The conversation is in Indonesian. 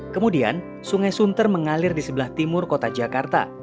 kemudian sungai sunter mengalir di sebelah timur kota jakarta